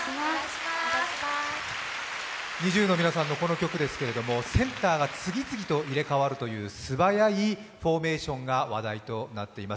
ＮｉｚｉＵの皆さんのこの曲ですがセンターが次々に入れ替わるという素早いフォーメーションが話題となっています。